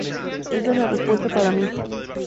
Esa es la respuesta para mí.